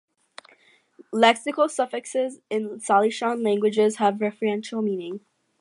Lexical suffixes in Salishan languages have referential meaning.